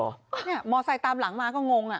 นี่มอเซตตามหลังมาก็งง